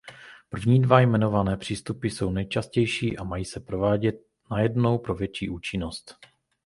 První dva jmenované přístupy jsou nejčastější a mají se provádět najednou pro větší účinnost.